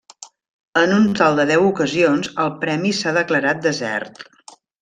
En un total de deu ocasions el premi s'ha declarat desert.